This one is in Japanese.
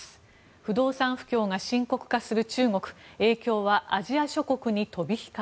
不動産不況が深刻化する中国影響はアジア諸国に飛び火か。